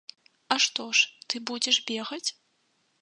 А што ж ты будзеш бегаць?